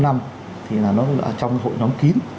bốn năm năm thì là nó trong hội nhóm kín